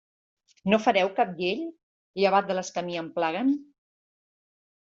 No fareu cap llei llevat de les que a mi em plaguen?